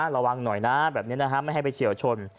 ระวังหน่อยนะไม่ให้ไปเฉียวชน